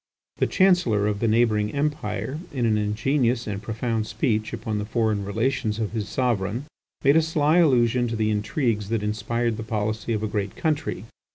The Chancellor of the neighbouring Empire in an ingenious and profound speech upon the foreign relations of his sovereign, made a sly allusion to the intrigues that inspired the policy of a great country.